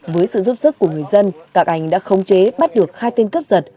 với sự giúp sức của người dân các anh đã khống chế bắt được hai tên cướp giật